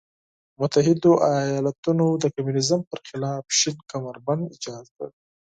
متحده ایالتونو د کمونیزم پر خلاف شین کمربند ایجاد کړ.